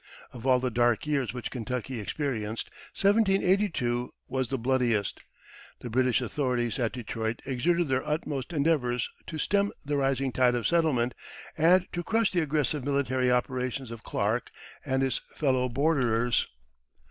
Of all the dark years which Kentucky experienced, 1782 was the bloodiest. The British authorities at Detroit exerted their utmost endeavors to stem the rising tide of settlement and to crush the aggressive military operations of Clark and his fellow borderers.